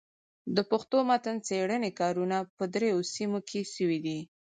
د پښتو متن څېړني کارونه په درو سيمو کي سوي دي.